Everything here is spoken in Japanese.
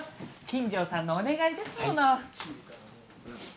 金城さんのお願いですもの。